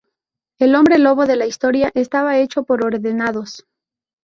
El hombre lobo de la historia estaba hecho por ordenador.